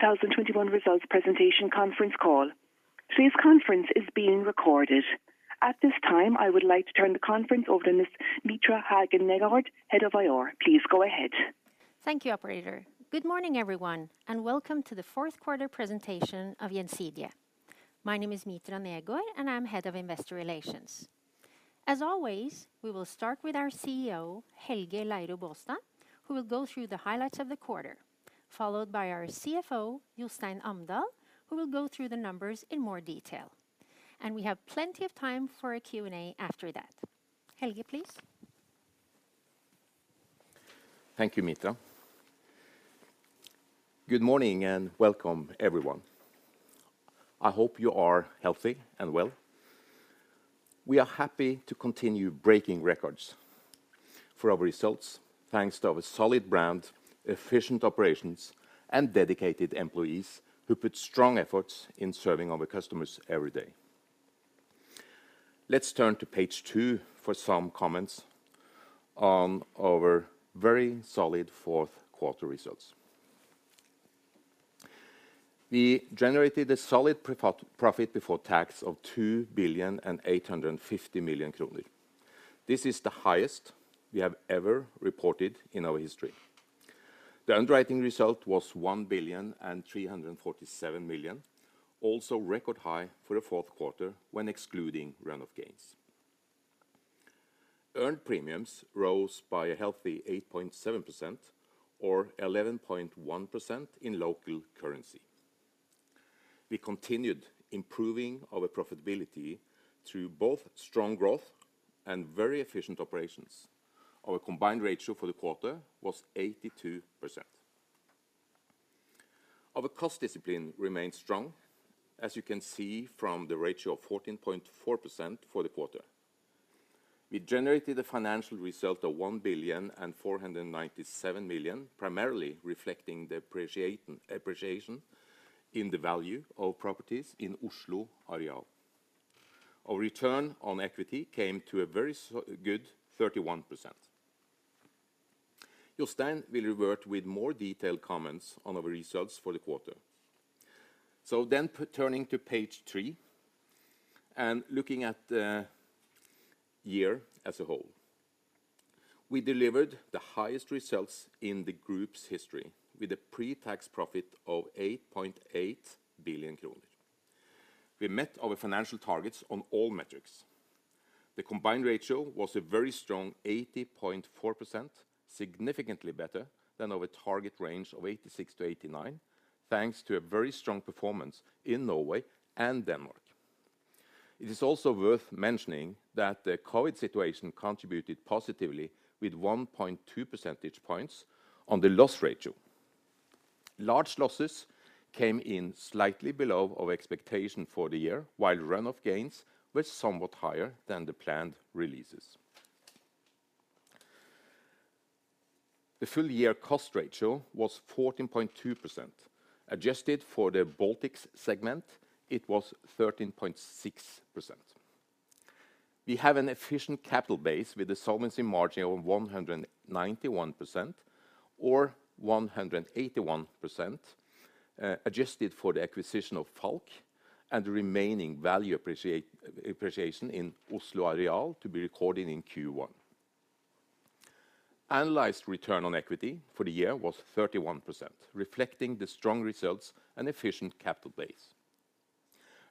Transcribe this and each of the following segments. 2021 results presentation conference call. At this time, I would like to turn the conference over to Miss Mitra Hagen Negård, Head of IR. Please go ahead. Thank you, operator. Good morning, everyone, and welcome to the Q4 presentation of Gjensidige. My name is Mitra Negård, and I'm Head of Investor Relations. As always, we will start with our CEO, Helge Leiro Baastad, who will go through the highlights of the quarter, followed by our CFO, Jostein Amdal, who will go through the numbers in more detail. We have plenty of time for a Q&A after that. Helge, please. Thank you, Mitra. Good morning and welcome, everyone. I hope you are healthy and well. We are happy to continue breaking records for our results, thanks to our solid brand, efficient operations, and dedicated employees who put strong efforts in serving our customers every day. Let's turn to page two for some comments on our very solid Q4 results. We generated a solid profit before tax of 2.85 billion. This is the highest we have ever reported in our history. The underwriting result was 1.347 billion, also record high for the Q4 when excluding run-off gains. Earned premiums rose by a healthy 8.7% or 11.1% in local currency. We continued improving our profitability through both strong growth and very efficient operations. Our combined ratio for the quarter was 82%. Our cost discipline remains strong, as you can see from the ratio of 14.4% for the quarter. We generated a financial result of 1,497 million, primarily reflecting the appreciation in the value of properties in Oslo Areal. Our return on equity came to a very good 31%. Jostein will revert with more detailed comments on our results for the quarter. Turning to page three and looking at the year as a whole. We delivered the highest results in the group's history with a pre-tax profit of 8.8 billion kroner. We met our financial targets on all metrics. The combined ratio was a very strong 80.4%, significantly better than our target range of 86%-89%, thanks to a very strong performance in Norway and Denmark. It is also worth mentioning that the COVID situation contributed positively with 1.2 percentage points on the loss ratio. Large losses came in slightly below our expectation for the year, while run-off gains were somewhat higher than the planned releases. The full year cost ratio was 14.2%. Adjusted for the Baltics segment, it was 13.6%. We have an efficient capital base with a solvency margin of 191% or 181%, adjusted for the acquisition of Falck and the remaining value appreciation in Oslo Areal to be recorded in Q1. Adjusted return on equity for the year was 31%, reflecting the strong results and efficient capital base.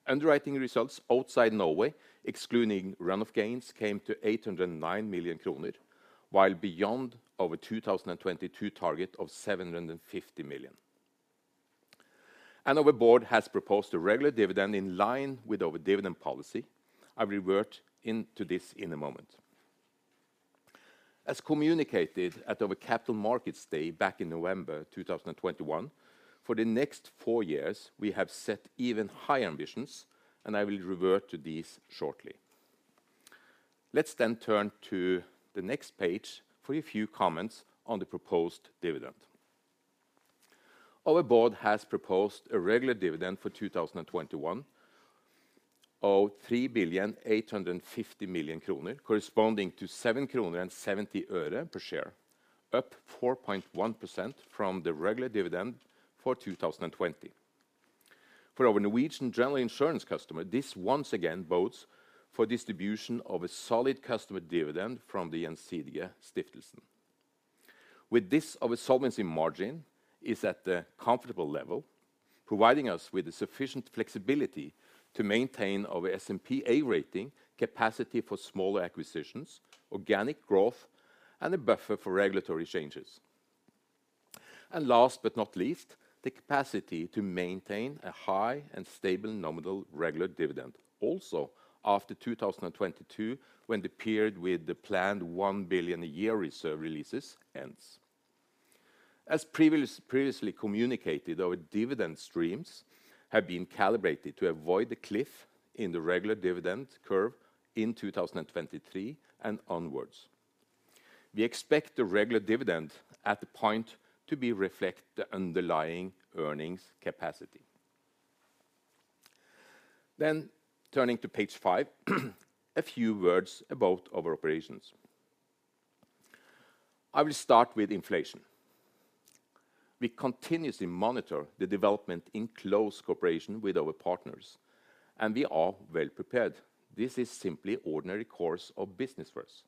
Underwriting results outside Norway, excluding run-off gains, came to 809 million kroner, well beyond our 2022 target of 750 million. Our board has proposed a regular dividend in line with our dividend policy. I'll revert to this in a moment. As communicated at our Capital Markets Day back in November 2021, for the next four years, we have set even higher ambitions, and I will revert to these shortly. Let's turn to the next page for a few comments on the proposed dividend. Our board has proposed a regular dividend for 2021 of 3.85 billion, corresponding to 7 kroner and 70 øre per share, up 4.1% from the regular dividend for 2020. For our Norwegian general insurance customer, this once again bodes for distribution of a solid customer dividend from the Gjensidigestiftelsen. With this, our solvency margin is at a comfortable level, providing us with the sufficient flexibility to maintain our S&P A rating, capacity for smaller acquisitions, organic growth, and a buffer for regulatory changes. Last but not least, the capacity to maintain a high and stable nominal regular dividend, also after 2022, when the period with the planned 1 billion a year reserve releases ends. As previously communicated, our dividend streams have been calibrated to avoid the cliff in the regular dividend curve in 2023 and onwards. We expect the regular dividend at the point to reflect the underlying earnings capacity. Turning to page five, a few words about our operations. I will start with inflation. We continuously monitor the development in close cooperation with our partners, and we are well prepared. This is simply ordinary course of business for us.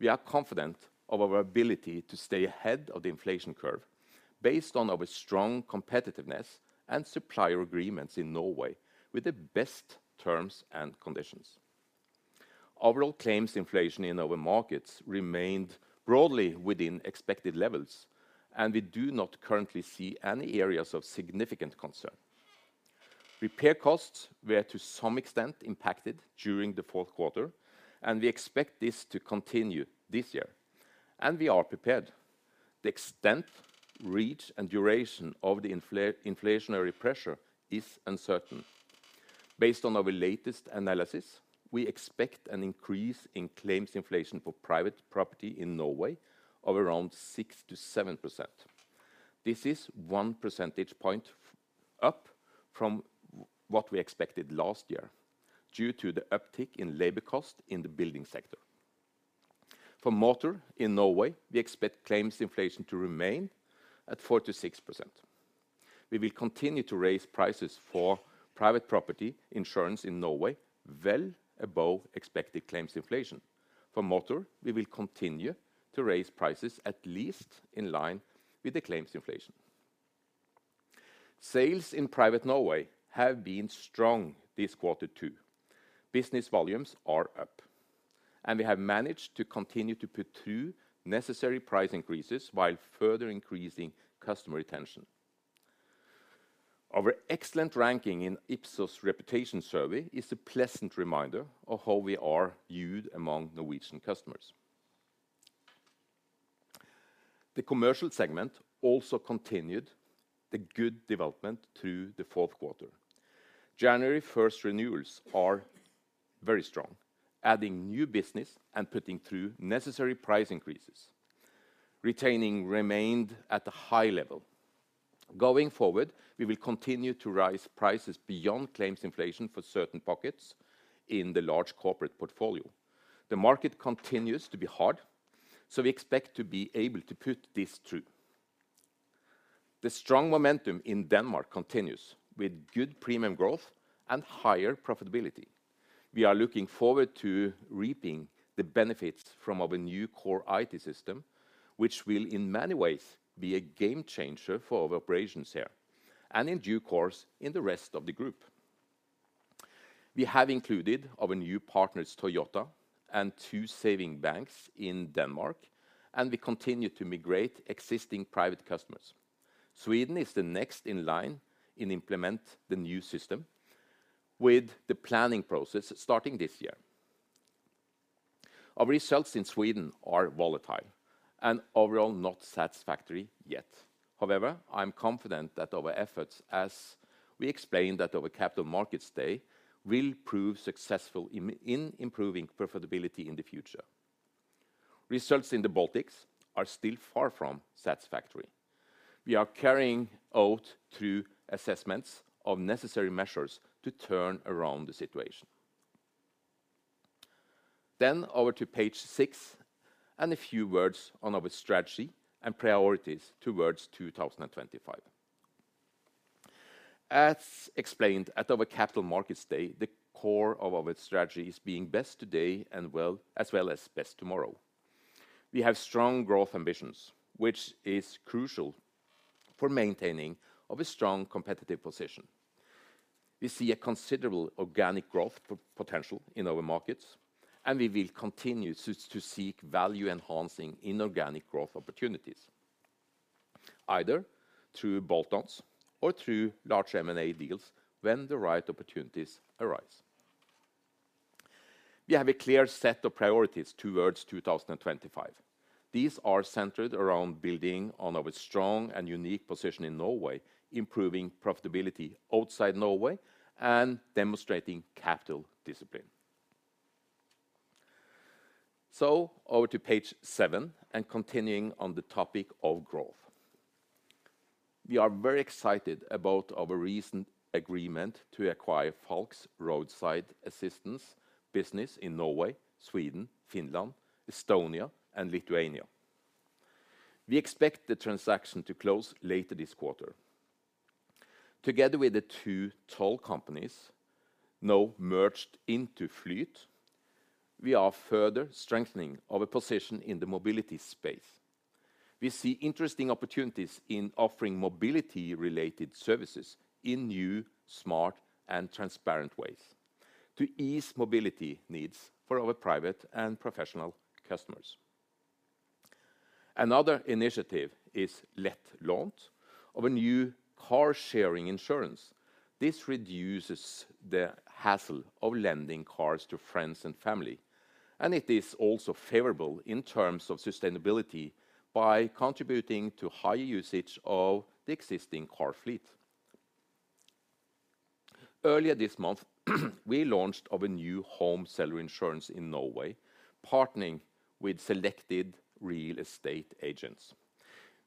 We are confident of our ability to stay ahead of the inflation curve based on our strong competitiveness and supplier agreements in Norway with the best terms and conditions. Overall claims inflation in our markets remained broadly within expected levels, and we do not currently see any areas of significant concern. Repair costs were to some extent impacted during the Q4, and we expect this to continue this year, and we are prepared. The extent, reach, and duration of the inflationary pressure is uncertain. Based on our latest analysis, we expect an increase in claims inflation for private property in Norway of around 6%-7%. This is 1 percentage point up from what we expected last year due to the uptick in labor cost in the building sector. For motor in Norway, we expect claims inflation to remain at 4%-6%. We will continue to raise prices for private property insurance in Norway well above expected claims inflation. For motor, we will continue to raise prices at least in line with the claims inflation. Sales in private Norway have been strong this quarter too. Business volumes are up, and we have managed to continue to put through necessary price increases while further increasing customer retention. Our excellent ranking in Ipsos reputation survey is a pleasant reminder of how we are viewed among Norwegian customers. The commercial segment also continued the good development through the Q4. January 1 renewals are very strong, adding new business and putting through necessary price increases. Retention remained at a high level. Going forward, we will continue to raise prices beyond claims inflation for certain pockets in the large corporate portfolio. The market continues to be hard, so we expect to be able to put this through. The strong momentum in Denmark continues with good premium growth and higher profitability. We are looking forward to reaping the benefits from our new core IT system, which will in many ways be a game changer for our operations here and in due course in the rest of the group. We have included our new partners, Toyota and two savings banks in Denmark, and we continue to migrate existing private customers. Sweden is the next in line to implement the new system with the planning process starting this year. Our results in Sweden are volatile and overall not satisfactory yet. However, I'm confident that our efforts, as we explained at our Capital Markets Day, will prove successful in improving profitability in the future. Results in the Baltics are still far from satisfactory. We are carrying out thorough assessments of necessary measures to turn around the situation. Over to page six and a few words on our strategy and priorities towards 2025. As explained at our Capital Markets Day, the core of our strategy is being best today and, well, as well as best tomorrow. We have strong growth ambitions, which is crucial for maintenance of a strong competitive position. We see a considerable organic growth potential in our markets, and we will continue to seek value-enhancing inorganic growth opportunities, either through bolt-ons or through large M&A deals when the right opportunities arise. We have a clear set of priorities towards 2025. These are centered around building on our strong and unique position in Norway, improving profitability outside Norway, and demonstrating capital discipline. Over to page seven and continuing on the topic of growth. We are very excited about our recent agreement to acquire Falck's roadside assistance business in Norway, Sweden, Finland, Estonia, and Lithuania. We expect the transaction to close later this quarter. Together with the two toll companies now merged into Flyt, we are further strengthening our position in the mobility space. We see interesting opportunities in offering mobility-related services in new, smart, and transparent ways to ease mobility needs for our private and professional customers. Another initiative is Lettlånt, our new car-sharing insurance. This reduces the hassle of lending cars to friends and family, and it is also favorable in terms of sustainability by contributing to high usage of the existing car fleet. Earlier this month, we launched our new home seller insurance in Norway, partnering with selected real estate agents.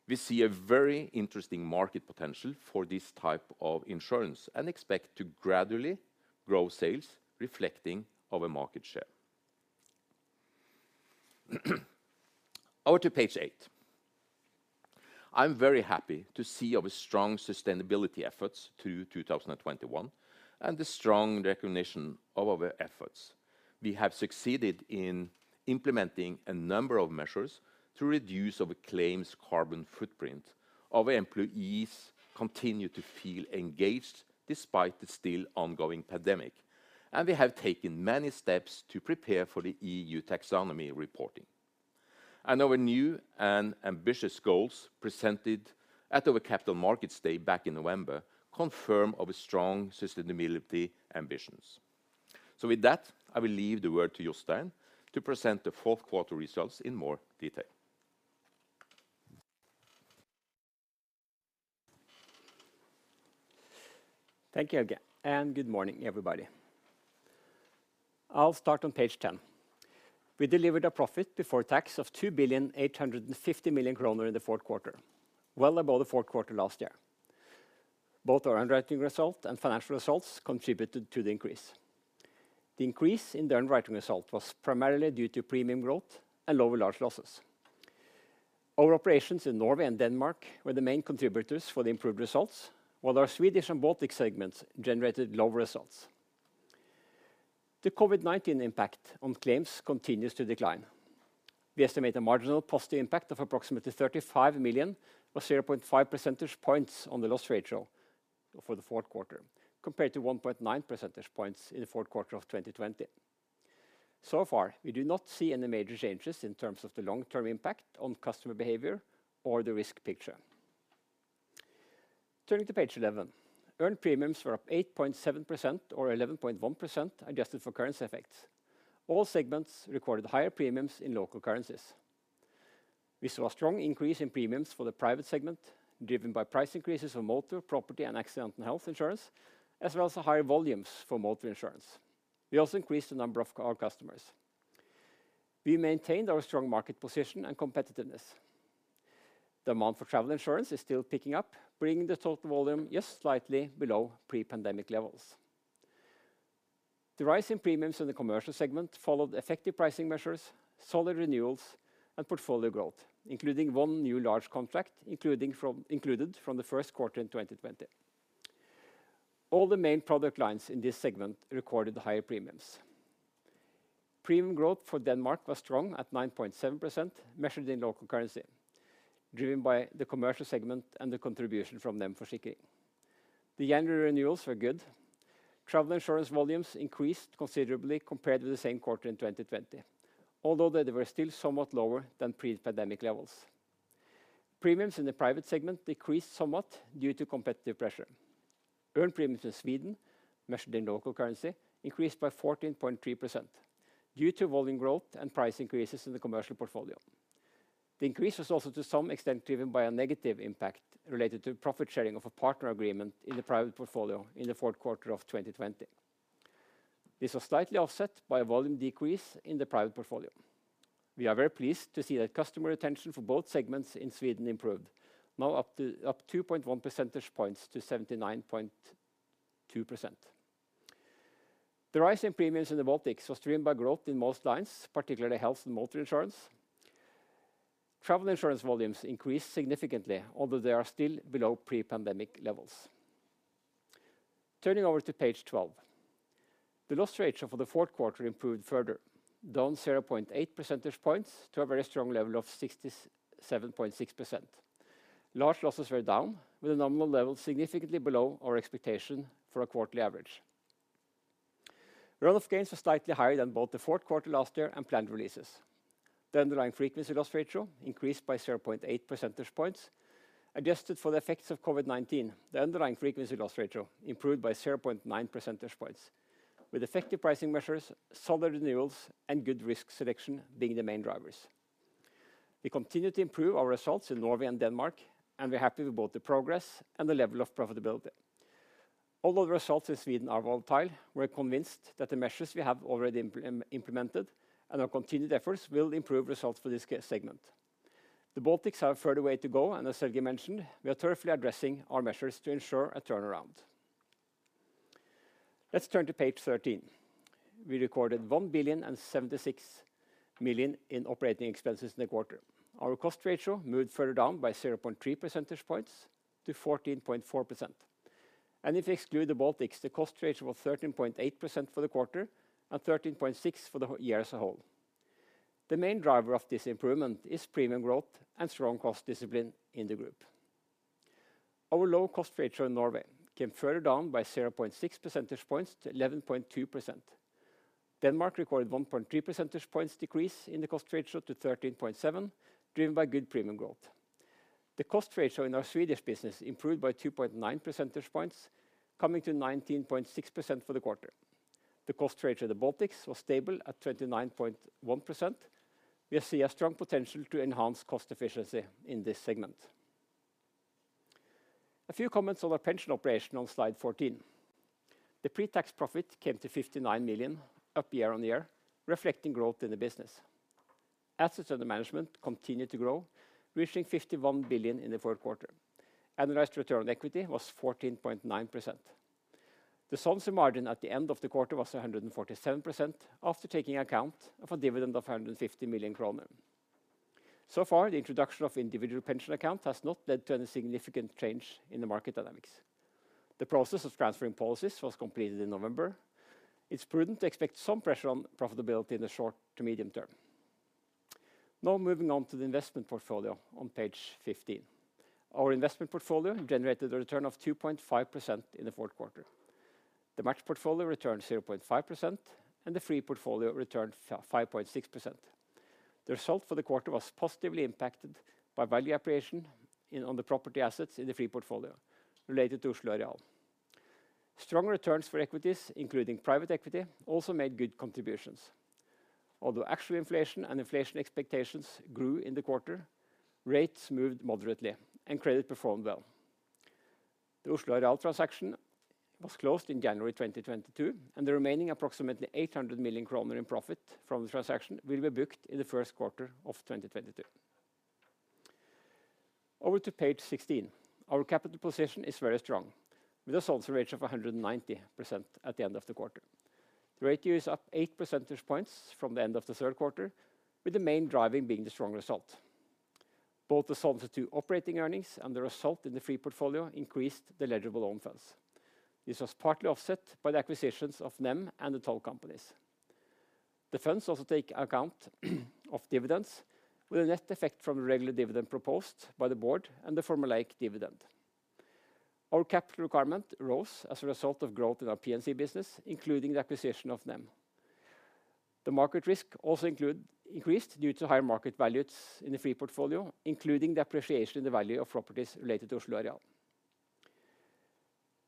We see a very interesting market potential for this type of insurance and expect to gradually grow sales reflecting our market share. Over to page eight. I'm very happy to see our strong sustainability efforts through 2021, and the strong recognition of our efforts. We have succeeded in implementing a number of measures to reduce our claims carbon footprint. Our employees continue to feel engaged despite the still ongoing pandemic, and we have taken many steps to prepare for the EU taxonomy reporting. Our new and ambitious goals presented at our Capital Markets Day back in November confirm our strong sustainability ambitions. With that, I will leave the word to Jostein to present the Q4 results in more detail. Thank you, Helge, and good morning, everybody. I'll start on page 10. We delivered a profit before tax of 2.85 billion kroner in the Q4, well above the Q4 last year. Both our underwriting result and financial results contributed to the increase. The increase in the underwriting result was primarily due to premium growth and lower large losses. Our operations in Norway and Denmark were the main contributors for the improved results, while our Swedish and Baltic segments generated low results. The COVID-19 impact on claims continues to decline. We estimate a marginal positive impact of approximately 35 million, or 0.5 percentage points, on the loss ratio for the Q4, compared to 1.9 percentage points in the Q4 of 2020. So far, we do not see any major changes in terms of the long-term impact on customer behavior or the risk picture. Turning to page 11. Earned premiums were up 8.7%, or 11.1%, adjusted for currency effects. All segments recorded higher premiums in local currencies. We saw a strong increase in premiums for the private segment, driven by price increases for motor, property, and accident and health insurance, as well as higher volumes for motor insurance. We also increased the number of our customers. We maintained our strong market position and competitiveness. Demand for travel insurance is still picking up, bringing the total volume just slightly below pre-pandemic levels. The rise in premiums in the commercial segment followed effective pricing measures, solid renewals, and portfolio growth, including one new large contract included from the Q1 in 2020. All the main product lines in this segment recorded higher premiums. Premium growth for Denmark was strong at 9.7%, measured in local currency, driven by the commercial segment and the contribution from them for sick leave. The annual renewals were good. Travel insurance volumes increased considerably compared to the same quarter in 2020, although they were still somewhat lower than pre-pandemic levels. Premiums in the private segment decreased somewhat due to competitive pressure. Earned premiums in Sweden, measured in local currency, increased by 14.3% due to volume growth and price increases in the commercial portfolio. The increase was also, to some extent, driven by a negative impact related to profit sharing of a partner agreement in the private portfolio in the Q4 of 2020. This was slightly offset by a volume decrease in the private portfolio. We are very pleased to see that customer retention for both segments in Sweden improved, now up 2.1 percentage points to 79.2%. The rise in premiums in the Baltics was driven by growth in most lines, particularly health and motor insurance. Travel insurance volumes increased significantly, although they are still below pre-pandemic levels. Turning to page 12. The loss ratio for the Q4 improved further, down 0.8 percentage points to a very strong level of 67.6%. Large losses were down with a nominal level significantly below our expectation for a quarterly average. Run-off gains were slightly higher than both the Q4 last year and planned releases. The underlying frequency loss ratio increased by 0.8 percentage points. Adjusted for the effects of COVID-19, the underlying frequency loss ratio improved by 0.9 percentage points, with effective pricing measures, solid renewals, and good risk selection being the main drivers. We continue to improve our results in Norway and Denmark, and we're happy with both the progress and the level of profitability. Although the results in Sweden are volatile, we're convinced that the measures we have already implemented and our continued efforts will improve results for this segment. The Baltics have a further way to go, and as Helge mentioned, we are thoroughly addressing our measures to ensure a turnaround. Let's turn to page 13. We recorded 1.076 billion in operating expenses in the quarter. Our cost ratio moved further down by 0.3 percentage points to 14.4%. If you exclude the Baltics, the cost ratio was 13.8% for the quarter and 13.6% for the year as a whole. The main driver of this improvement is premium growth and strong cost discipline in the group. Our low cost ratio in Norway came further down by 0.6 percentage points to 11.2%. Denmark recorded 1.3 percentage points decrease in the cost ratio to 13.7%, driven by good premium growth. The cost ratio in our Swedish business improved by 2.9 percentage points, coming to 19.6% for the quarter. The cost ratio in the Baltics was stable at 29.1%. We see a strong potential to enhance cost efficiency in this segment. A few comments on our pension operation on slide 14. The pre-tax profit came to 59 million, up year on year, reflecting growth in the business. Assets under management continued to grow, reaching 51 billion in the Q4. Annualized return on equity was 14.9%. The solvency margin at the end of the quarter was 147% after taking account of a dividend of 150 million kroner. So far, the introduction of own pension account has not led to any significant change in the market dynamics. The process of transferring policies was completed in November. It's prudent to expect some pressure on profitability in the short to medium term. Now moving on to the investment portfolio on page 15. Our investment portfolio generated a return of 2.5% in the Q4. The matched portfolio returned 0.5%, and the free portfolio returned 5.6%. The result for the quarter was positively impacted by value appreciation in, on the property assets in the free portfolio related to Oslo Areal. Strong returns for equities, including private equity, also made good contributions. Although actual inflation and inflation expectations grew in the quarter, rates moved moderately and credit performed well. The Oslo Areal transaction was closed in January 2022, and the remaining approximately 800 million kroner in profit from the transaction will be booked in the Q1 of 2022. Over to page 16. Our capital position is very strong, with a solvency ratio of 190% at the end of the quarter. The ratio is up 8 percentage points from the end of the Q3, with the main driving being the strong result. Both the solvency to operating earnings and the result in the free portfolio increased the eligible own funds. This was partly offset by the acquisitions of NEM and the toll companies. The funds also take account of dividends with a net effect from the regular dividend proposed by the board and the formulaic dividend. Our capital requirement rose as a result of growth in our P&C business, including the acquisition of NEM. The market risk also increased due to higher market values in the free portfolio, including the appreciation in the value of properties related to Oslo Areal.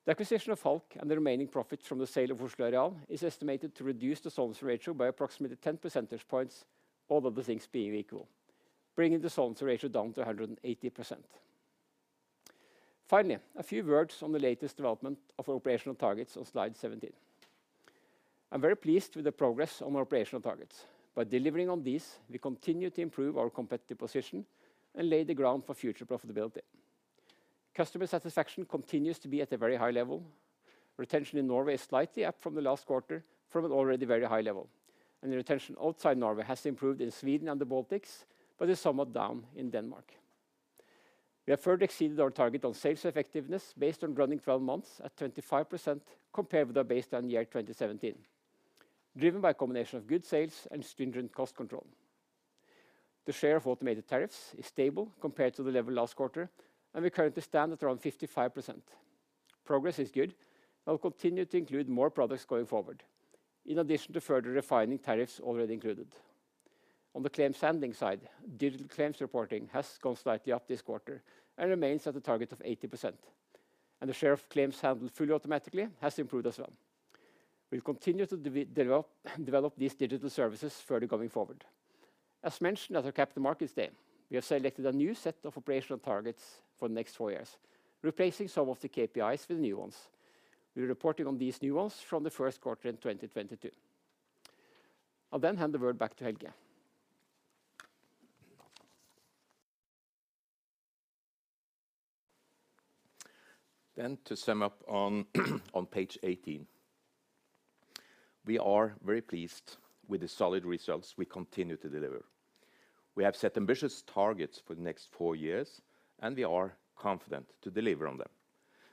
The acquisition of Falck and the remaining profit from the sale of Oslo Areal is estimated to reduce the solvency ratio by approximately 10 percentage points, all other things being equal, bringing the solvency ratio down to 180%. Finally, a few words on the latest development of our operational targets on slide 17. I'm very pleased with the progress on our operational targets. By delivering on these, we continue to improve our competitive position and lay the ground for future profitability. Customer satisfaction continues to be at a very high level. Retention in Norway is slightly up from the last quarter from an already very high level, and the retention outside Norway has improved in Sweden and the Baltics, but is somewhat down in Denmark. We have further exceeded our target on sales effectiveness based on running 12 months at 25% compared with our baseline year 2017, driven by a combination of good sales and stringent cost control. The share of automated tariffs is stable compared to the level last quarter, and we currently stand at around 55%. Progress is good, and we'll continue to include more products going forward, in addition to further refining tariffs already included. On the claim handling side, digital claims reporting has gone slightly up this quarter and remains at the target of 80%, and the share of claims handled fully automatically has improved as well. We'll continue to develop these digital services further going forward. As mentioned at our Capital Markets Day, we have selected a new set of operational targets for the next four years, replacing some of the KPIs with new ones. We're reporting on these new ones from the Q1 in 2022. I'll then hand the word back to Helge. To sum up on page 18. We are very pleased with the solid results we continue to deliver. We have set ambitious targets for the next four years, and we are confident to deliver on them.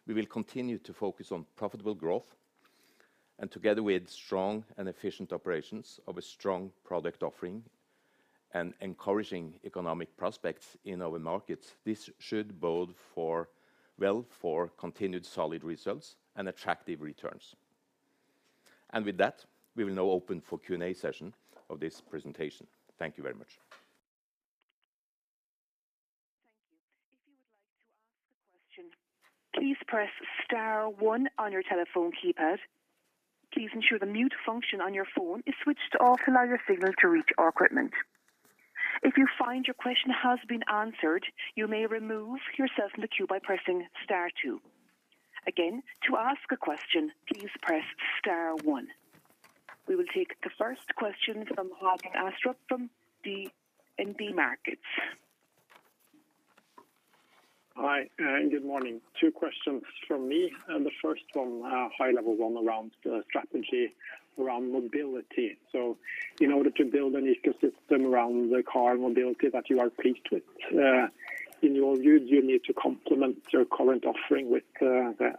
We will continue to focus on profitable growth and together with strong and efficient operations of a strong product offering and encouraging economic prospects in our markets, this should bode for, well for continued solid results and attractive returns. With that, we will now open for Q&A session of this presentation. Thank you very much. Thank you. If you would like to ask a question, please press star one on your telephone keypad. Please ensure the mute function on your phone is switched off to allow your signal to reach our equipment. If you find your question has been answered, you may remove yourself from the queue by pressing star two. Again, to ask a question, please press star one. We will take the first question from Håkon Astrup from DNB Markets. Hi, and good morning. Two questions from me, and the first one, high-level one around, strategy around mobility. In order to build an ecosystem around the car mobility that you are pleased with, in your view, do you need to complement your current offering with,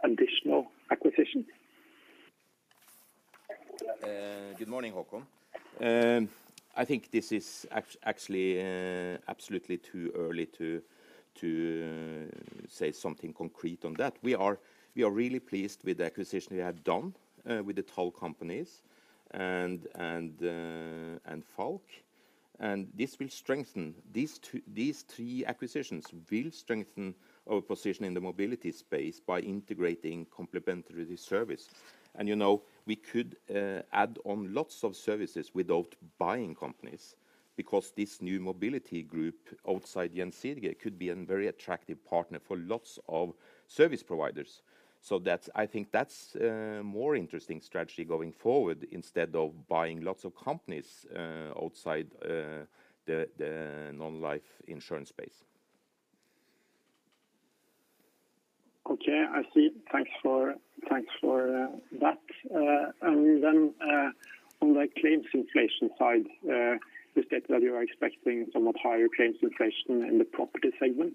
additional acquisition? Good morning, Håkon. I think this is actually absolutely too early to say something concrete on that. We are really pleased with the acquisition we have done with the toll companies and Falck, and this will strengthen. These three acquisitions will strengthen our position in the mobility space by integrating complementary service. You know, we could add on lots of services without buying companies because this new mobility group outside Gjensidige could be a very attractive partner for lots of service providers. I think that's a more interesting strategy going forward instead of buying lots of companies outside the non-life insurance space. Okay, I see. Thanks for that. On the claims inflation side, you state that you are expecting somewhat higher claims inflation in the property segment.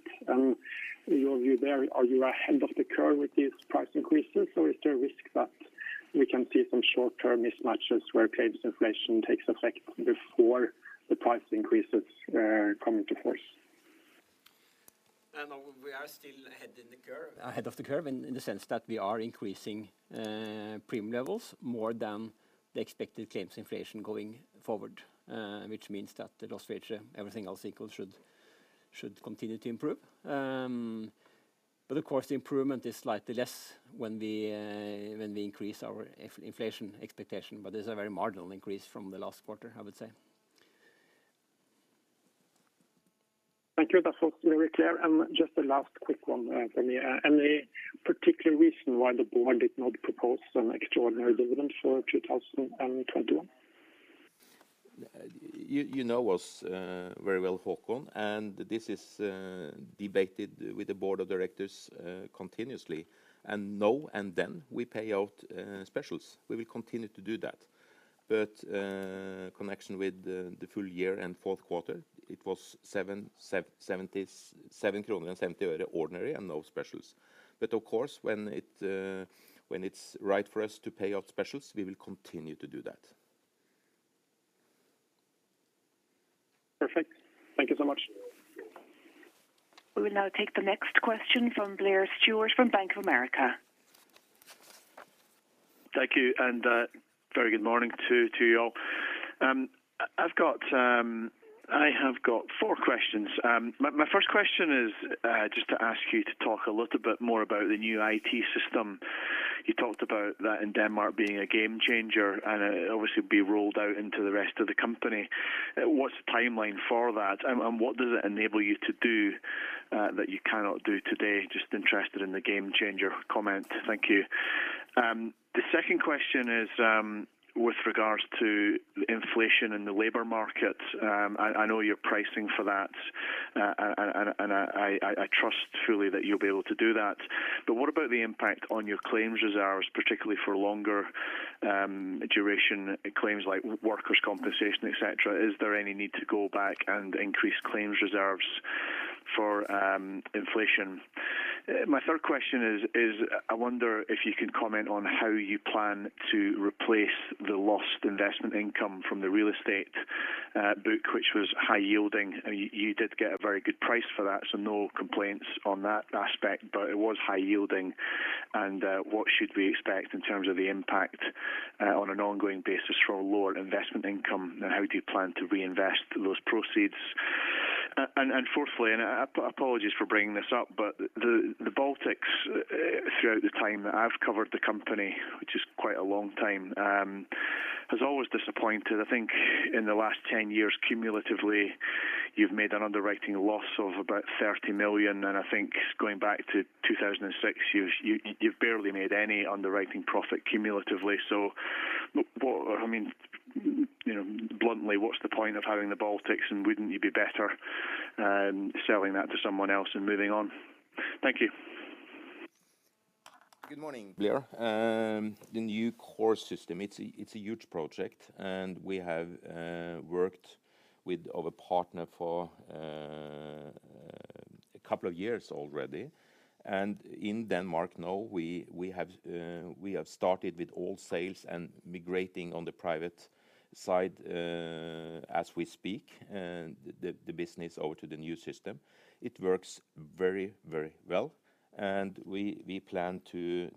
Your view there, are you ahead of the curve with these price increases, or is there a risk that we can see some short-term mismatches where claims inflation takes effect before the price increases come into force? We are still ahead in the curve, ahead of the curve in the sense that we are increasing premium levels more than the expected claims inflation going forward. Which means that the loss ratio, everything else equal, should continue to improve. But of course, the improvement is slightly less when we increase our inflation expectation, but it's a very marginal increase from the last quarter, I would say. Thank you. That was very clear. Just a last quick one, from me. Any particular reason why the board did not propose some extraordinary dividend for 2021? You know us very well, Håkon, and this is debated with the board of directors continuously. Now and then we pay out specials. We will continue to do that. In connection with the full year and Q4, it was 7.70 kroner ordinary and no specials. Of course, when it's right for us to pay out specials, we will continue to do that. Perfect. Thank you so much. We will now take the next question from Blair Stewart from Bank of America. Thank you, and very good morning to y'all. I've got four questions. My first question is just to ask you to talk a little bit more about the new IT system. You talked about that in Denmark being a game changer, and it obviously will be rolled out into the rest of the company. What's the timeline for that? And what does it enable you to do that you cannot do today? Just interested in the game changer comment. Thank you. The second question is with regards to inflation in the labor market. I know you're pricing for that, and I trust truly that you'll be able to do that. What about the impact on your claims reserves, particularly for longer duration claims like workers' compensation, etc.? Is there any need to go back and increase claims reserves for inflation? My third question is, I wonder if you can comment on how you plan to replace the lost investment income from the real estate book, which was high yielding. You did get a very good price for that, so no complaints on that aspect, but it was high yielding. What should we expect in terms of the impact on an ongoing basis for lower investment income? And how do you plan to reinvest those proceeds? Fourthly, I apologize for bringing this up, but the Baltics, throughout the time that I've covered the company, which is quite a long time, has always disappointed. I think in the last 10 years, cumulatively, you've made an underwriting loss of about 30 million. I think going back to 2006, you've barely made any underwriting profit cumulatively. What, I mean, you know, bluntly, what's the point of having the Baltics and wouldn't you be better selling that to someone else and moving on? Thank you. Good morning, Blair. The new core system, it's a huge project, and we have worked with our partner for a couple of years already. In Denmark, now, we have started with all sales and migrating on the private side, as we speak, the business over to the new system. It works very, very well, and we plan to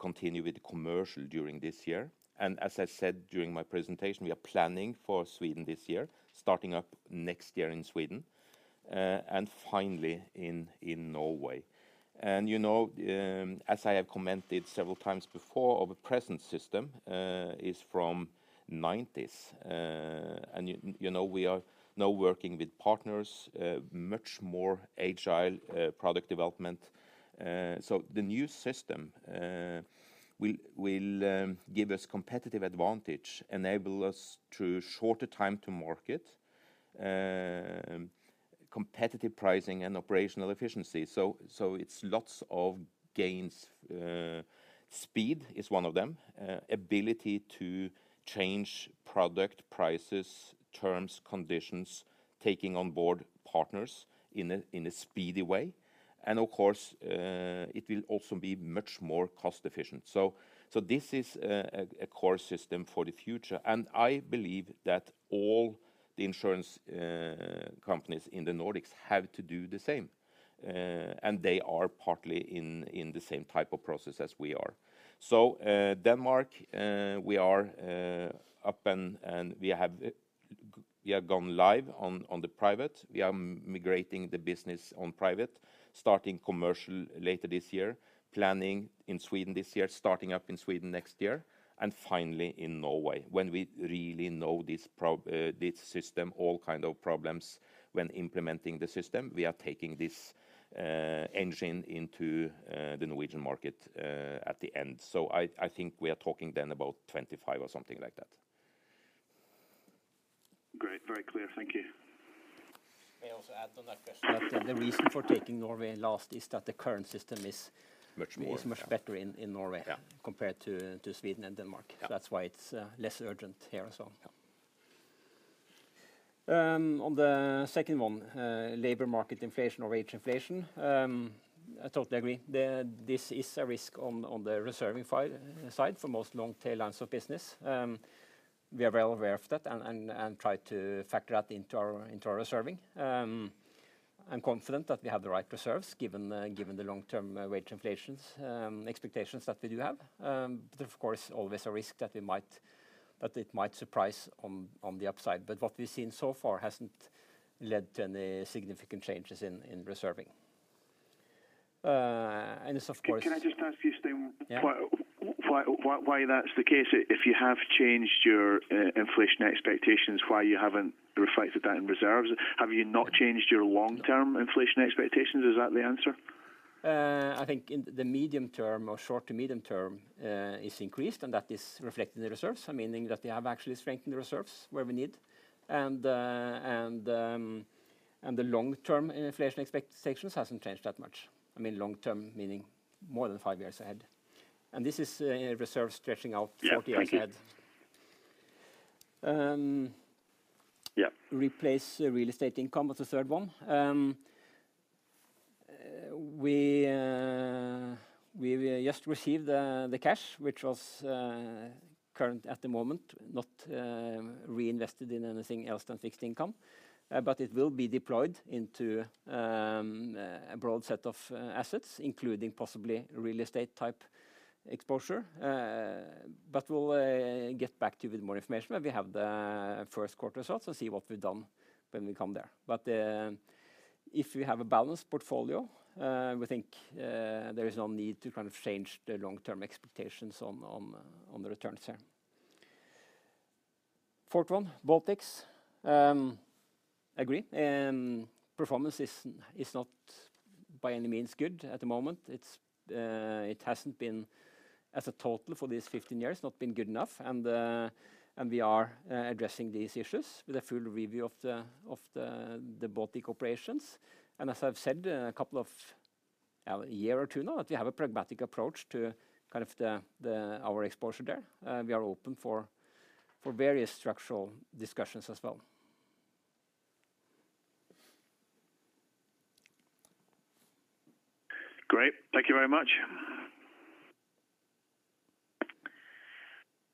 continue with the commercial during this year. As I said during my presentation, we are planning for Sweden this year, starting up next year in Sweden, and finally in Norway. You know, as I have commented several times before, our present system is from the 1990s. You know, we are now working with partners, much more agile product development. The new system will give us competitive advantage, enable us to shorter time to market, competitive pricing and operational efficiency. It's lots of gains. Speed is one of them. Ability to change product prices, terms, conditions, taking on board partners in a speedy way. Of course, it will also be much more cost efficient. This is a core system for the future. I believe that all the insurance companies in the Nordics have to do the same. They are partly in the same type of process as we are. Denmark, we are up and we have gone live on the private. We are migrating the business on private, starting commercial later this year, planning in Sweden this year, starting up in Sweden next year, and finally in Norway. When we really know this system, all kind of problems when implementing the system, we are taking this engine into the Norwegian market at the end. I think we are talking then about 2025 or something like that. Great, very clear. Thank you. May I also add on that question that the reason for taking Norway last is that the current system is. Much more. Is much better in Norway. Yeah Compared to Sweden and Denmark. Yeah. That's why it's less urgent here also. Yeah. On the second one, labor market inflation or wage inflation, I totally agree. This is a risk on the reserving side for most long tail lines of business. We are well aware of that and try to factor that into our reserving. I'm confident that we have the right reserves given the long-term wage inflations expectations that we do have. Of course always a risk that it might surprise on the upside. What we've seen so far hasn't led to any significant changes in reserving. It's of course- Can I just ask you, Jostein? Yeah Why that's the case. If you have changed your inflation expectations, why you haven't reflected that in reserves. Have you not changed your long-term inflation expectations? Is that the answer? I think in the medium term or short to medium term is increased, and that is reflected in the reserves, meaning that they have actually strengthened the reserves where we need. The long-term inflation expectations hasn't changed that much. I mean, long term meaning more than five years ahead. This is a reserve stretching out four years ahead. Yeah. Thank you. Yeah. Replace real estate income was the third one. We just received the cash, which was current at the moment, not reinvested in anything else than fixed income. But it will be deployed into a broad set of assets, including possibly real estate type exposure. But we'll get back to you with more information when we have the Q1 results and see what we've done when we come there. If we have a balanced portfolio, we think there is no need to kind of change the long-term expectations on the returns here. Fourth one, Baltics. Agree. Performance is not by any means good at the moment. It hasn't been as a total for these 15 years, not been good enough. We are addressing these issues with a full review of the Baltic operations. As I've said for a year or two now, that we have a pragmatic approach to kind of our exposure there. We are open for various structural discussions as well. Great. Thank you very much.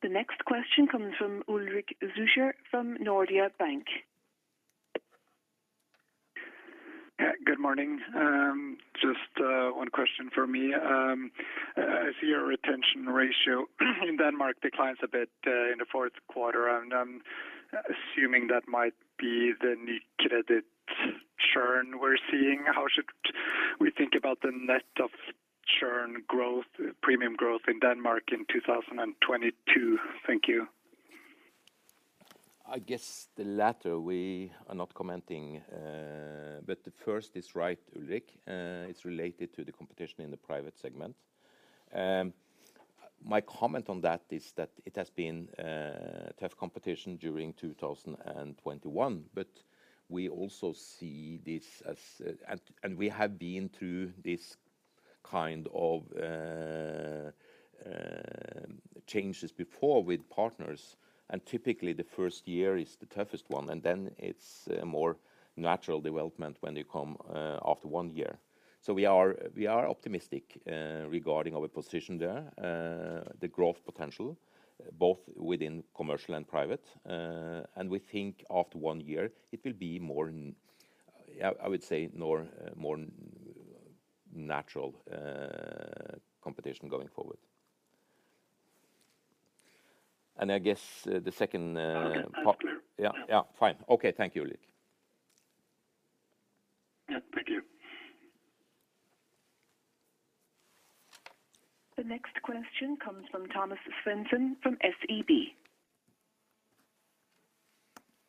The next question comes from Ulrik Zürcher from Nordea Bank. Yeah, good morning. One question for me. I see your retention ratio in Denmark declines a bit in the Q4, and I'm assuming that might be the new customer churn we're seeing. How should we think about the net of churn growth, premium growth in Denmark in 2022? Thank you. I guess the latter we are not commenting, but the first is right, Ulrik. It's related to the competition in the private segment. My comment on that is that it has been tough competition during 2021, but we also see this as we have been through this kind of changes before with partners, and typically the first year is the toughest one, and then it's a more natural development when you come after one year. We are optimistic regarding our position there, the growth potential, both within commercial and private. We think after one year it will be more natural competition going forward. I guess the second part- Okay. That's clear. Yeah. Fine. Okay. Thank you, Ulrik. Yeah. Thank you. The next question comes from Thomas Svendsen from SEB.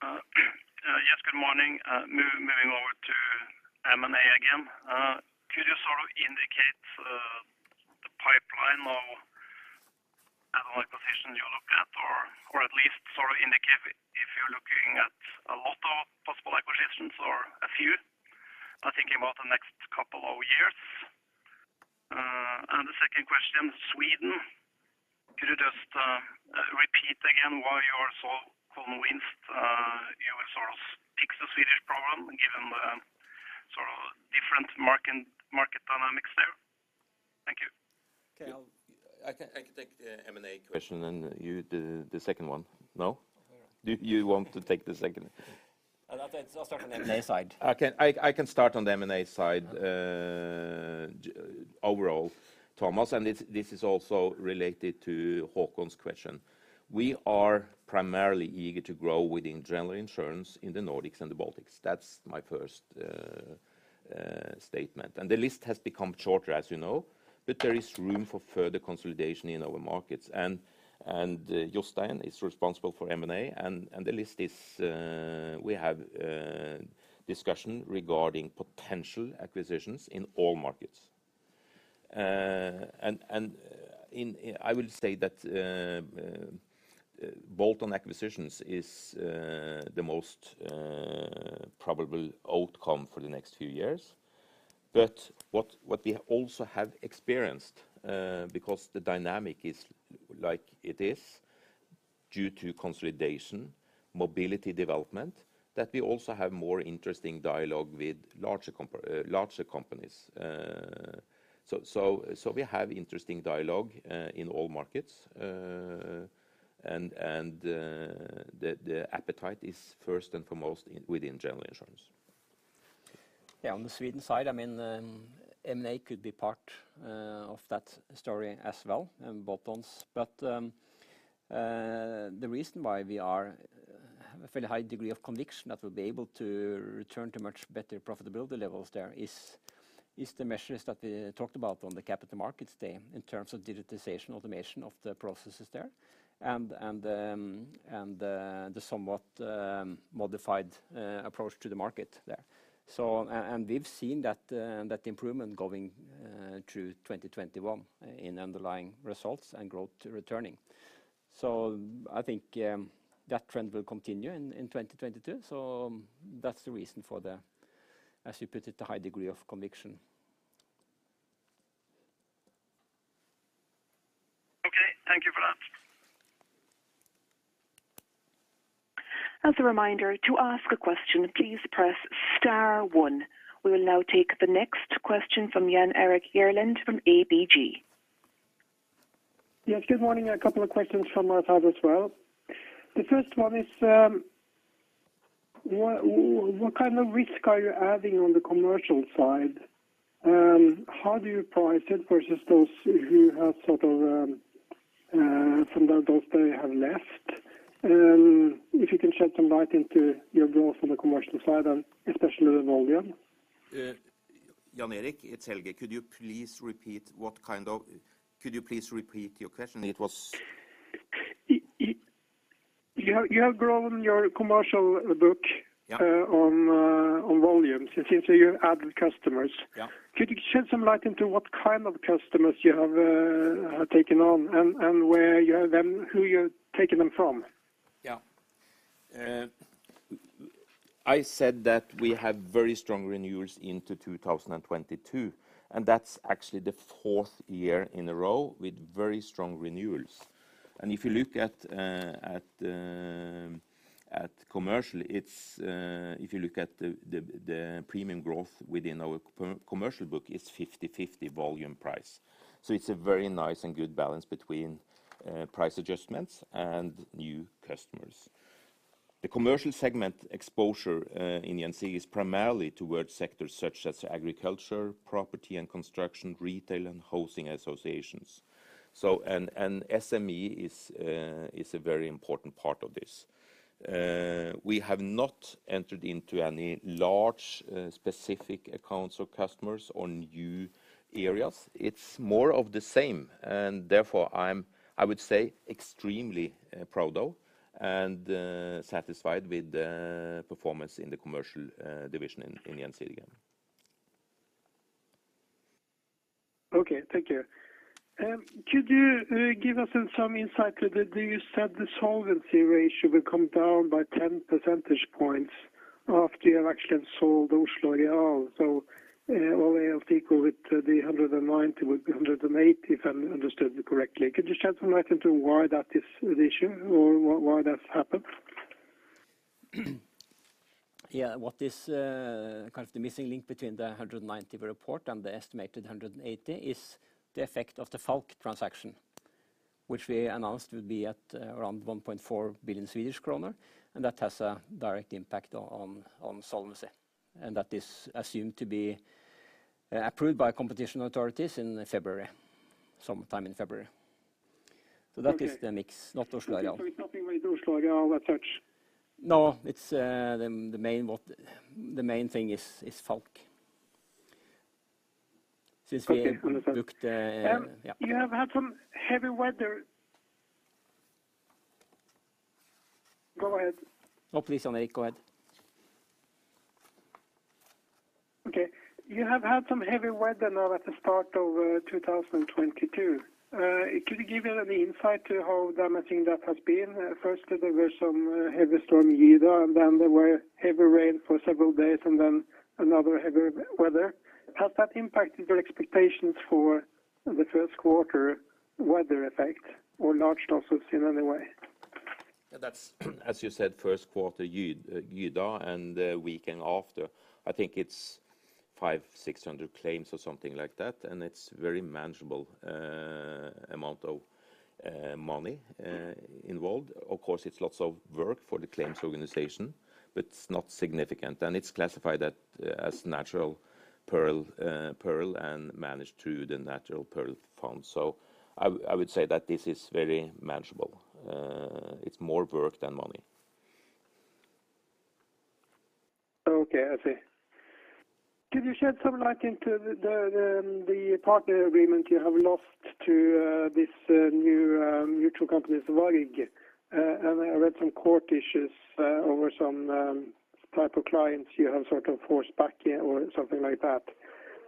Yes, good morning. Moving over to M&A again. Could you sort of indicate the pipeline of acquisitions you look at, or at least sort of indicate if you're looking at a lot of possible acquisitions or a few? I'm thinking about the next couple of years. And the second question, Sweden. Could you just repeat again why you are so convinced you will sort of fix the Swedish problem, given the sort of different market dynamics there? Thank you. Okay. I can take the M&A question, and you the second one. No? Do you want to take the second? I'll start from the M&A side. I can start on the M&A side. Overall, Thomas, and this is also related to Håkon's question. We are primarily eager to grow within general insurance in the Nordics and the Baltics. That's my first statement. The list has become shorter, as you know, but there is room for further consolidation in our markets. Jostein is responsible for M&A, and the list is we have discussion regarding potential acquisitions in all markets. I will state that bolt-on acquisitions is the most probable outcome for the next few years. But what we also have experienced, because the dynamic is like it is due to consolidation, mobility development, that we also have more interesting dialogue with larger companies. We have interesting dialogue in all markets. The appetite is first and foremost within general insurance. Yeah, on the Sweden side, I mean, M&A could be part of that story as well, bolt-ons. The reason why we have a fairly high degree of conviction that we'll be able to return to much better profitability levels there is the measures that we talked about on the Capital Markets Day in terms of digitization, automation of the processes there and the somewhat modified approach to the market there. And we've seen that improvement going through 2021 in underlying results and growth returning. I think that trend will continue in 2022. That's the reason for the, as you put it, the high degree of conviction. Okay, thank you for that. As a reminder, to ask a question, please press star one. We will now take the next question from Jan Erik Gjerland from ABG. Yes, good morning. A couple of questions from our side as well. The first one is, what kind of risk are you adding on the commercial side? How do you price it versus those who have sort of, from those they have left? If you can shed some light into your growth on the commercial side and especially the volume. Jan Erik, it's Helge. Could you please repeat your question? It was- You have grown your commercial book- Yeah On volumes. It seems that you added customers. Yeah. Could you shed some light into what kind of customers you have taken on and where you have them, who you're taking them from? Yeah. I said that we have very strong renewals into 2022, and that's actually the fourth year in a row with very strong renewals. If you look at commercial, the premium growth within our commercial book is 50/50 volume price. It's a very nice and good balance between price adjustments and new customers. The commercial segment exposure in Norway is primarily towards sectors such as agriculture, property and construction, retail, and housing associations. SME is a very important part of this. We have not entered into any large specific accounts or customers or new areas. It's more of the same, and therefore I would say extremely proud of and satisfied with the performance in the commercial division in Norway. Okay, thank you. Could you give us some insight to the, you said the solvency ratio will come down by 10 percentage points after you have actually sold Oslo Areal. So all we have to equal it to be 190 would be 180 if I understood you correctly. Could you shed some light into why that is an issue or why that's happened? Yeah. What is kind of the missing link between the 190 report and the estimated 180 is the effect of the Falck transaction, which we announced would be at around 1.4 billion Swedish kronor, and that has a direct impact on solvency. That is assumed to be approved by competition authorities in February, sometime in February. Okay. That is the mix, not Oslo Areal. It's nothing with Oslo Areal as such. No, it's the main thing is Falck. Since we- Okay. Understood. booked, yeah. You have had some heavy weather. Go ahead. No, please, Erik go ahead. Okay. You have had some heavy weather now at the start of 2022. Could you give any insight to how damaging that has been? First there were some heavy Storm Gyda, and then there were heavy rain for several days and then another heavy weather. Has that impacted your expectations for the Q1 weather effect or large losses in any way? That's, as you said, Q1 Gyda and the weekend after. I think it's 500-600 claims or something like that, and it's a very manageable amount of money involved. Of course, it's lots of work for the claims organization, but it's not significant. It's classified as natural peril and managed through the natural perils fund. I would say that this is very manageable. It's more work than money. Okay. I see. Could you shed some light into the partner agreement you have lost to these new mutual companies, Varig? I read some court issues over some type of clients you have sort of forced back in or something like that.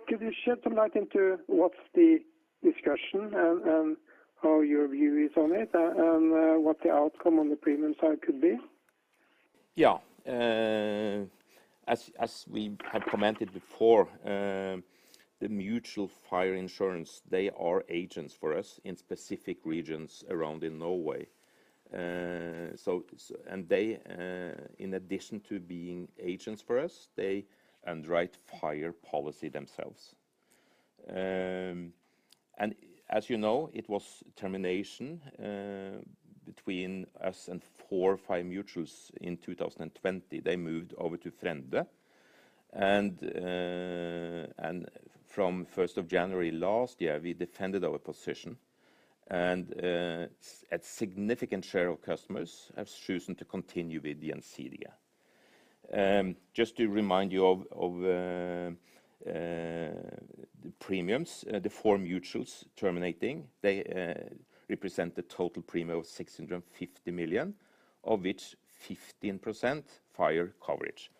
Could you shed some light into what's the discussion and how your view is on it and what the outcome on the premium side could be? Yeah. As we have commented before, the mutual fire insurance, they are agents for us in specific regions around Norway. They, in addition to being agents for us, underwrite fire policy themselves. As you know, it was termination between us and four fire mutuals in 2020. They moved over to Frende. From 1st of January last year, we defended our position. A significant share of customers have chosen to continue with Gjensidige. Just to remind you of the premiums, the four mutuals terminating, they represent the total premium of 650 million, of which 15% fire coverage.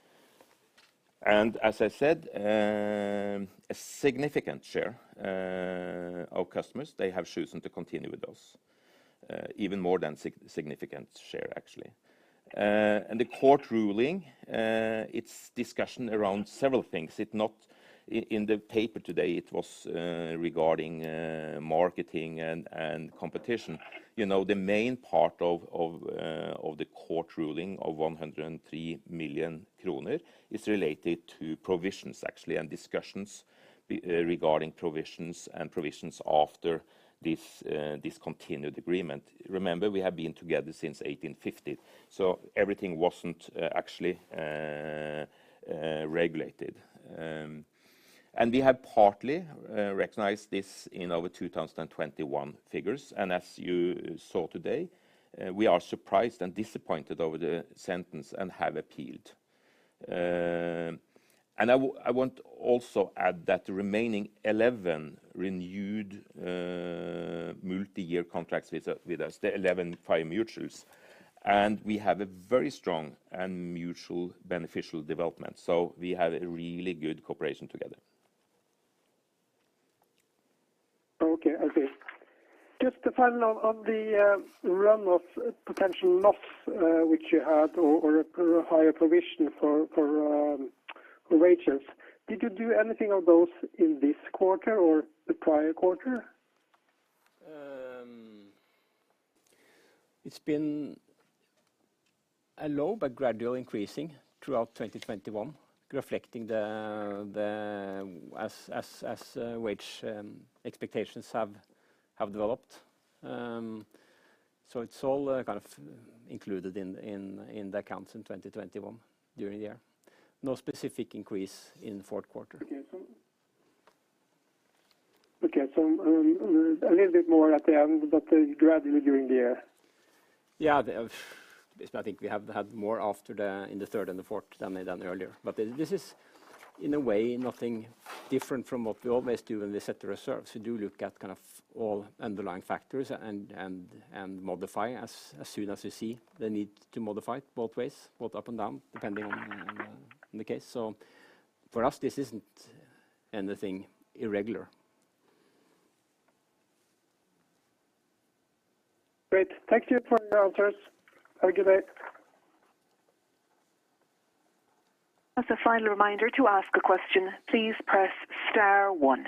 As I said, a significant share of customers, they have chosen to continue with us. Even more than significant share actually. The court ruling, it's discussion around several things. In the paper today, it was regarding marketing and competition. You know, the main part of the court ruling of 103 million kroner is related to provisions actually, and discussions regarding provisions after this continued agreement. Remember, we have been together since 1850, so everything wasn't actually regulated. We have partly recognized this in our 2021 figures. As you saw today, we are surprised and disappointed over the sentence and have appealed. I want also add that the remaining 11 renewed multi-year contracts with us, the 11 fire mutuals, and we have a very strong and mutually beneficial development. We have a really good cooperation together. Okay. Just to follow on the run-off potential loss which you had or a higher provision for losses. Did you do anything of those in this quarter or the prior quarter? It's been a low but gradual increasing throughout 2021, reflecting wage expectations have developed. It's all kind of included in the accounts in 2021 during the year. No specific increase in Q4. Okay. A little bit more at the end, but gradually during the year. Yes, I think we have had more after the, in the third and the fourth than earlier. This is, in a way, nothing different from what we always do when we set the reserves. We do look at kind of all underlying factors and modify as soon as we see the need to modify both ways, both up and down, depending on the case. For us, this isn't anything irregular. Great. Thank you for your answers. Have a good day. As a final reminder, to ask a question, please press star one.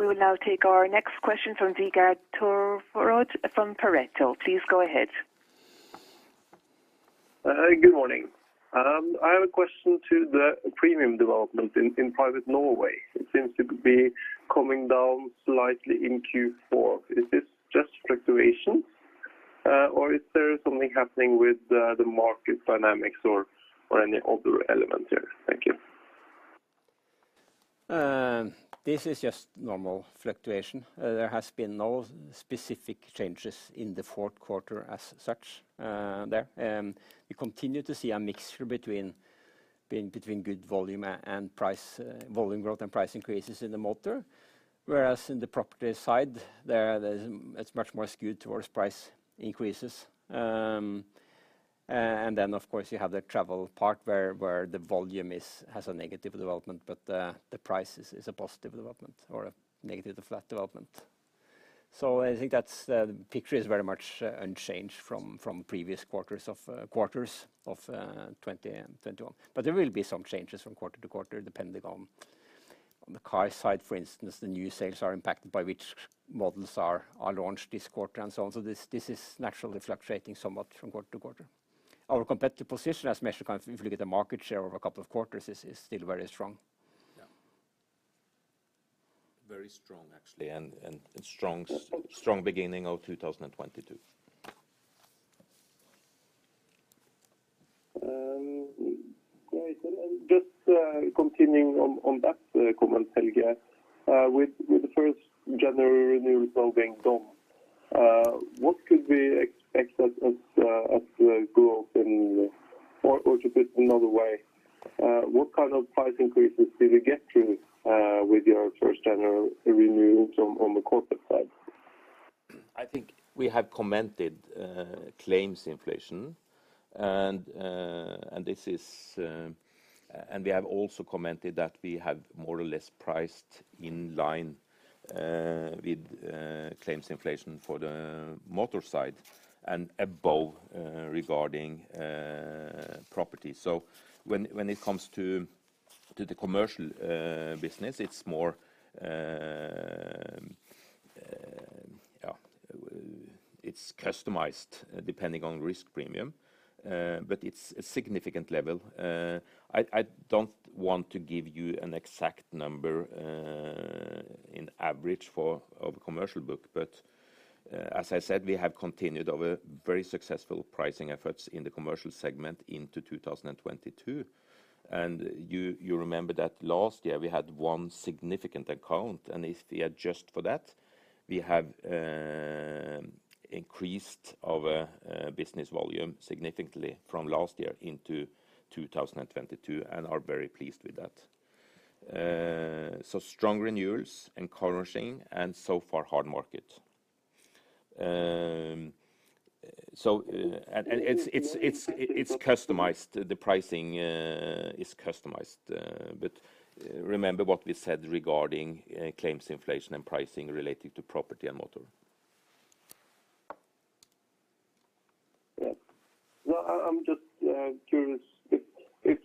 We will now take our next question from Vegard Toverud from Pareto. Please go ahead. Good morning. I have a question to the premium development in Private Norway. It seems to be coming down slightly in Q4. Is this just fluctuation, or is there something happening with the market dynamics or any other element here? Thank you. This is just normal fluctuation. There has been no specific changes in the Q4 as such, there. We continue to see a mixture between good volume and price, volume growth and price increases in the motor. Whereas in the property side, there's. It's much more skewed towards price increases. Then of course, you have the travel part where the volume has a negative development, but the price is a positive development or a negative to flat development. I think that's the picture is very much unchanged from previous quarters of 2020 and 2021. There will be some changes from quarter to quarter, depending on the car side, for instance, the new sales are impacted by which models are launched this quarter and so on. This is naturally fluctuating somewhat from quarter to quarter. Our competitive position as measured kind of if you look at the market share over a couple of quarters is still very strong. Very strong actually, and strong Okay Strong beginning of 2022. Great. Just continuing on that comment, Helge. With the first January renewal being done, what could we expect as growth, or to put it another way, what kind of price increases did you get through with your first general renewals on the corporate side? I think we have commented on claims inflation and we have also commented that we have more or less priced in line with claims inflation for the motor side and above regarding property. When it comes to the commercial business, it's more customized depending on risk premium, but it's a significant level. I don't want to give you an exact number on average for the commercial book. As I said, we have continued our very successful pricing efforts in the commercial segment into 2022. You remember that last year we had one significant account, and if we adjust for that, we have increased our business volume significantly from last year into 2022 and are very pleased with that. Strong renewals encouraging and so far hard market. It's customized. The pricing is customized. But remember what we said regarding claims inflation and pricing relating to property and motor. Yeah. No, I'm just curious if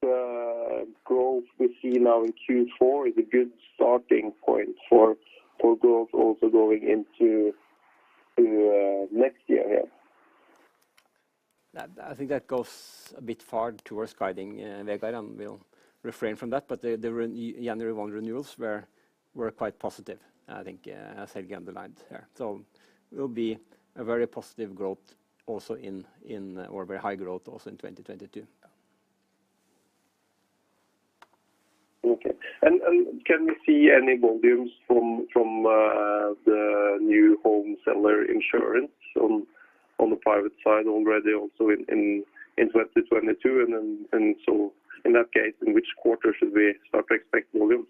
the growth we see now in Q4 is a good starting point for growth also going into next year here. I think that goes a bit far towards guiding, Vegard, and we'll refrain from that. The January 1 renewals were quite positive, I think, as Helge underlined here. It will be a very positive growth also in, or very high growth also in, 2022. Okay. Can we see any volumes from the new home seller insurance on the private side already also in 2022? In that case, in which quarter should we start to expect volumes?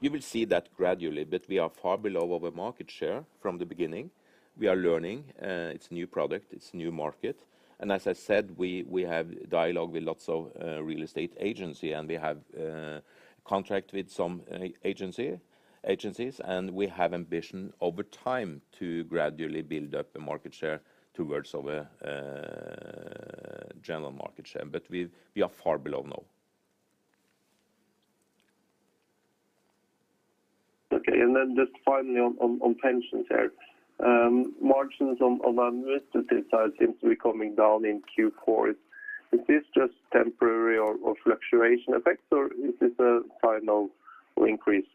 You will see that gradually, but we are far below our market share from the beginning. We are learning, it's new product, it's new market. As I said, we have dialogue with lots of real estate agencies, and we have contract with some agencies, and we have ambition over time to gradually build up a market share towards our general market share. We are far below now. Okay. Then just finally on pensions here. Margins on administrative side seems to be coming down in Q4. Is this just temporary or fluctuation effects, or is this a final increased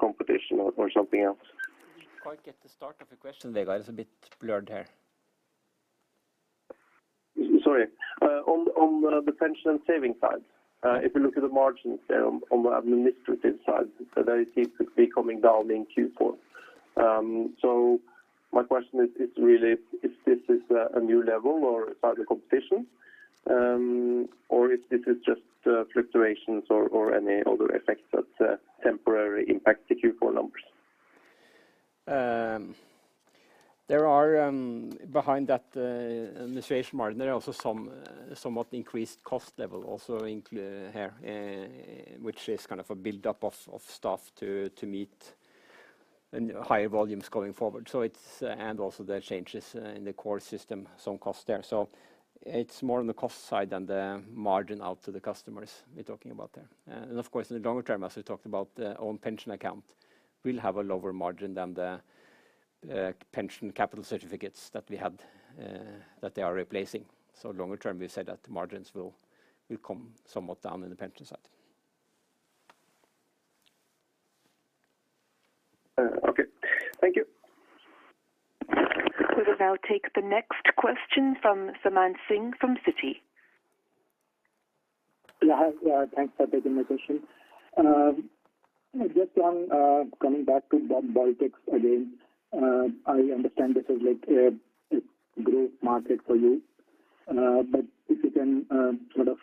competition or something else? Didn't quite get the start of the question, Vegard. It's a bit blurred here. Sorry. On the pension and saving side, if you look at the margins there on the administrative side, they seem to be coming down in Q4. My question is really if this is a new level or a tighter competition, or if this is just fluctuations or any other effects that temporarily impact the Q4 numbers. There are behind that administration margin, there are also some somewhat increased cost level also here, which is kind of a buildup of staff to meet and higher volumes going forward. It's and also the changes in the core system, some cost there. It's more on the cost side than the margin out to the customers we're talking about there. Of course in the longer term, as we talked about, the own pension account will have a lower margin than the pension capital certificates that we had that they are replacing. Longer term, we said that the margins will come somewhat down in the pension side. Okay. Thank you. We will now take the next question from Samant Singh from Citi. Yeah. Thanks for taking my question. Just on coming back to the Baltics again. I understand this is like a growth market for you. But if you can sort of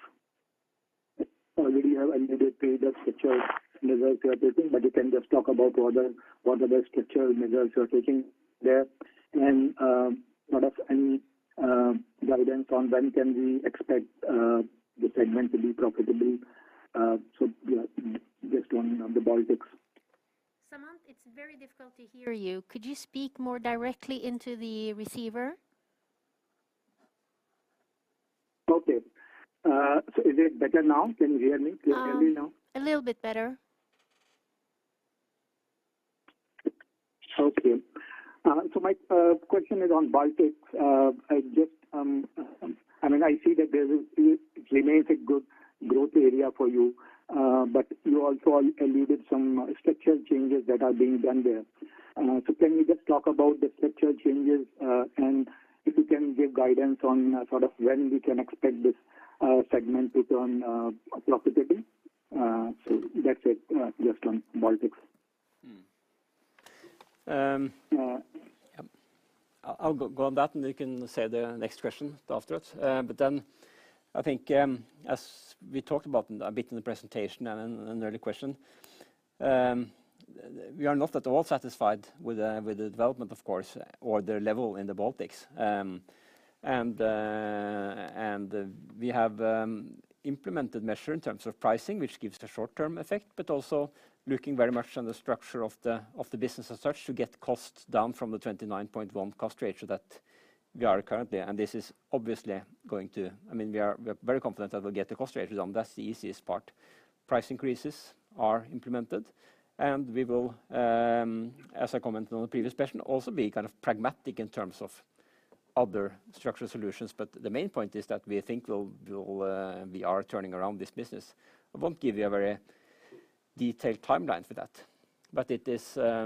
already have alluded to the structural measures you are taking, but you can just talk about what are the structural measures you are taking there and sort of any guidance on when can we expect the segment to be profitable. Just on the Baltics. Samant, it's very difficult to hear you. Could you speak more directly into the receiver? Okay. Is it better now? Can you hear me clearly now? A little bit better. Okay. My question is on Baltics. I just, I mean, I see that there still remains a good growth area for you, but you also alluded to some structural changes that are being done there. Can you just talk about the structural changes, and if you can give guidance on sort of when we can expect this segment to turn profitable? That's it, just on Baltics. Yeah. I'll go on that, and you can say the next question afterwards. But then I think, as we talked about a bit in the presentation and an early question, we are not at all satisfied with the development, of course, or the level in the Baltics. We have implemented measures in terms of pricing, which gives the short-term effect, but also looking very much on the structure of the business as such to get costs down from the 29.1 cost ratio that we are currently. This is obviously going to. I mean, we are very confident that we'll get the cost ratios down. That's the easiest part. Price increases are implemented, and we will, as I commented on the previous question, also be kind of pragmatic in terms of other structural solutions. The main point is that we think we'll we are turning around this business. I won't give you a very detailed timeline for that, but it is, I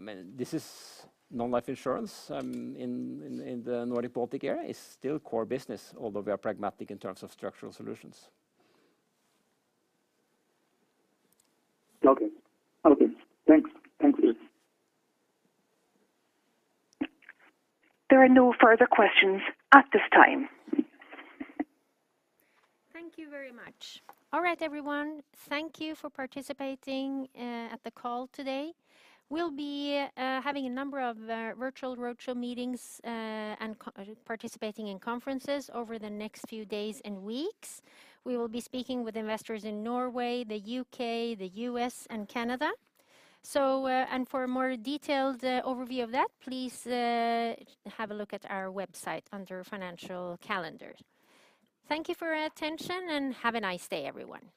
mean, this is non-life insurance in the Nordic Baltic area is still core business, although we are pragmatic in terms of structural solutions. Okay. Thanks, Jostein. There are no further questions at this time. Thank you very much. All right, everyone. Thank you for participating at the call today. We'll be having a number of virtual roadshow meetings and participating in conferences over the next few days and weeks. We will be speaking with investors in Norway, the U.K., the U.S., and Canada. For a more detailed overview of that, please have a look at our website under financial calendar. Thank you for your attention, and have a nice day, everyone.